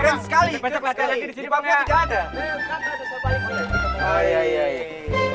bisa mampus loh jadi cheap nya sih